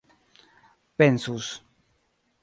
pensus